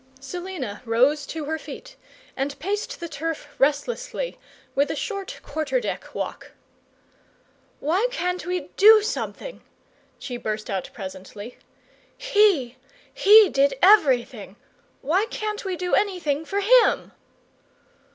Selina rose to her feet, and paced the turf restlessly with a short quarter deck walk. "Why can't we DO something?" she burst out presently. "HE he did everything why can't we do anything for him?"